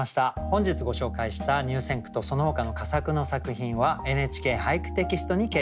本日ご紹介した入選句とそのほかの佳作の作品は「ＮＨＫ俳句」テキストに掲載されます。